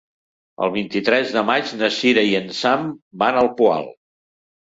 El vint-i-tres de maig na Cira i en Sam van al Poal.